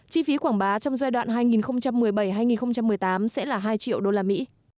chi phí quảng bá trong giai đoạn hai nghìn một mươi bảy hai nghìn một mươi tám sẽ là hai triệu usd